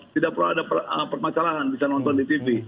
tidak perlu ada permasalahan bisa nonton di tv